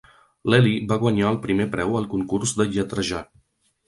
L'Ellie va guanyar el primer preu al concurs de lletrejar.